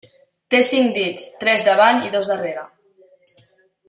Té cinc dits, tres davant i dos darrere.